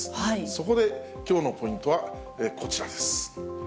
そこで、きょうのポイントはこちらです。